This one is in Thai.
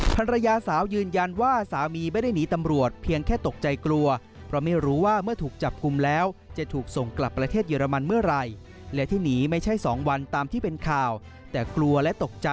ภรรยาสาวยืนยันว่าสามีไม่ได้หนีตำรวจ